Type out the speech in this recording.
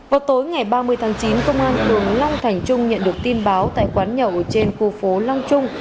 vào tối ngày ba mươi tháng chín công an đường long thành trung nhận được tin báo tại quán nhậu trên khu phố long trung